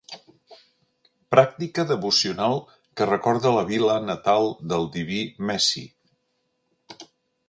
Pràctica devocional que recorda la vila natal del diví Messi.